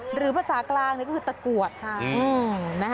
หรือภาษากลางก็คือตะกรวด